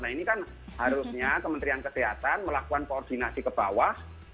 nah ini kan harusnya kementerian kesehatan melakukan koordinasi ke bawah